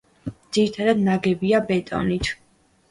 ძირითადად ნაგებია ბეტონით.